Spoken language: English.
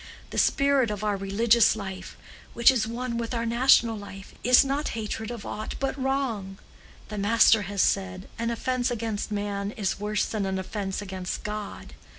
The spirit of our religious life, which is one with our national life, is not hatred of aught but wrong. The Master has said, an offence against man is worse than an offence against God.